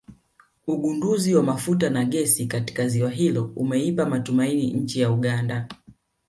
Ugunduzi wa mafuta na gesi katika ziwa hilo umeipa matumaini nchi ya Uganda